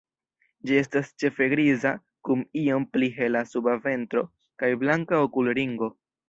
Ĝi estas ĉefe griza, kun iom pli hela suba ventro kaj blanka okulringo.